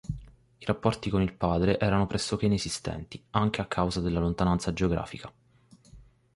I rapporti con il padre erano pressoché inesistenti, anche a causa della lontananza geografica.